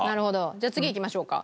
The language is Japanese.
じゃあ次いきましょうか。